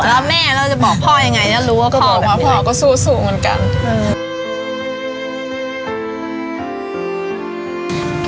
แล้วแม่เราจะบอกพ่อยังไงถ้ารู้ว่าพ่อออกมาพ่อก็สู้สู้เหมือนกันอืม